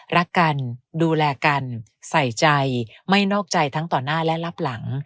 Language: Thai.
รักกันดูแลกันใส่ใจไม่นอกใจทั้งต่อหน้าและรับหลัง